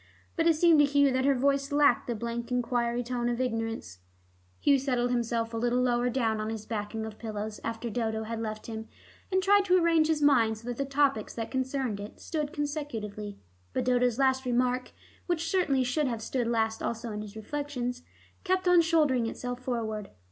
But it seemed to Hugh that her voice lacked the blank enquiry tone of ignorance. Hugh settled himself a little lower down on his backing of pillows, after Dodo had left him, and tried to arrange his mind, so that the topics that concerned it stood consecutively. But Dodo's last remark, which certainly should have stood last also in his reflections, kept on shouldering itself forward.